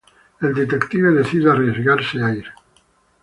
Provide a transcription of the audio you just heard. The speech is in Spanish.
El detective decide arriesgarse a ir.